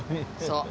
そう。